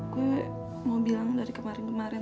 gue mau bilang dari kemarin kemarin